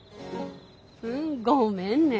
うんごめんね。